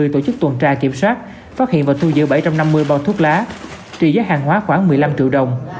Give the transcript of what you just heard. tổ chức tuần tra kiểm soát phát hiện và thu giữ bảy trăm năm mươi bao thuốc lá trị giá hàng hóa khoảng một mươi năm triệu đồng